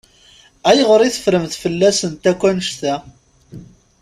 Ayɣer i teffremt fell-asent akk annect-a?